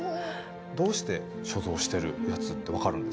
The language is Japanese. どうして所蔵してるやつって分かるんですか？